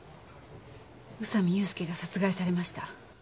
宇佐美祐介が殺害されました。